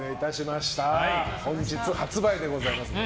本日発売でございます。